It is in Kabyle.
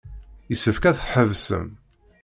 Yessefk ad t-tḥebsem.